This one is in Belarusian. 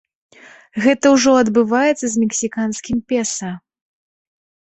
Гэта ўжо адбываецца з мексіканскім песа.